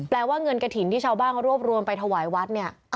แปลว่าเงินกฐินที่ชาวบ้างรวบรวมไปถวายวัด